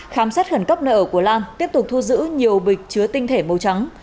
khám sát khẩn cấp nợ của lan tiếp tục thu giữ nhiều bịch chứa tinh thể màu trắng